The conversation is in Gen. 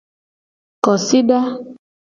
Kosida.